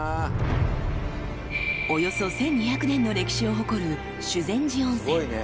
［およそ１，２００年の歴史を誇る修善寺温泉］